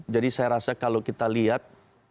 jadi saya rasa kalau kita lihat